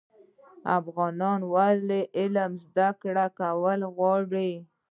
افغانان ولې علم زده کول غواړي؟